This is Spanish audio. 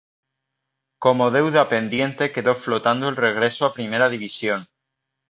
Como deuda pendiente quedó flotando el regreso a Primera División